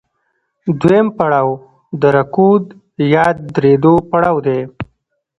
دویم پړاو د رکود یا درېدو پړاو دی